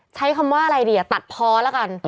ใช้คำว่าอะไรดีอ่ะตัดพอแล้วกัน